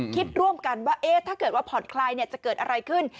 คิดร่วมกันว่าถ้าเกิดว่าผ่อนคลายจะเกิดอะไรขึ้น